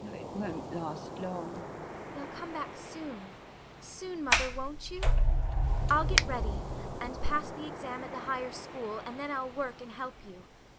though it won't last long. ANYA. You'll come back soon, soon, mother, won't you? I'll get ready, and pass the exam at the Higher School, and then I'll work and help you.